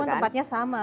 meskipun tempatnya sama